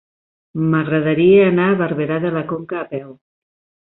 M'agradaria anar a Barberà de la Conca a peu.